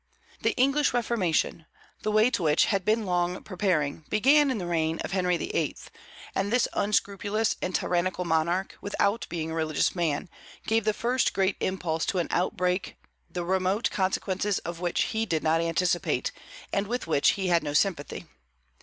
The English Reformation the way to which had been long preparing began in the reign of Henry VIII.; and this unscrupulous and tyrannical monarch, without being a religious man, gave the first great impulse to an outbreak the remote consequences of which he did not anticipate, and with which he had no sympathy.